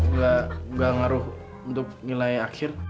nggak ngaruh untuk nilai akhir